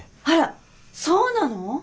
あらそうなの？